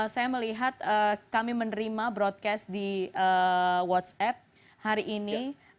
saya melihat kami menerima broadcast di whatsapp hari ini